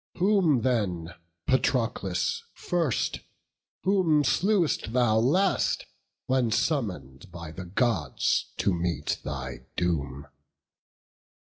Whom then, Patroclus, first, whom slew'st thou last, When summon'd by the Gods to meet thy doom?